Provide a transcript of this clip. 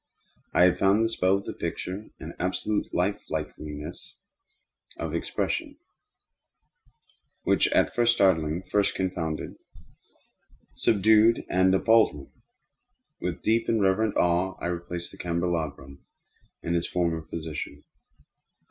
I had found the spell of the picture in an absolute life likeliness of expression, which, at first startling, finally confounded, subdued, and appalled me. With deep and reverent awe I replaced the candelabrum in its former position.